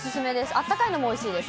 あったかいのもおいしいです。